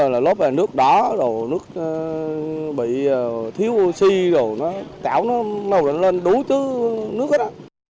lớp là nước đó nước bị thiếu oxy tảo nó màu đỏ lên đú tứ nước hết